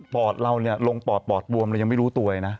ปอดเราลงปอดปอดบวมเรายังไม่รู้ตัวไอ้น่ะ